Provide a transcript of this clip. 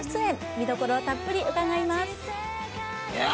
見どころをたっぷり伺います。